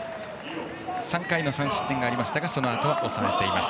３回の３失点がありましたがそのあとは抑えています。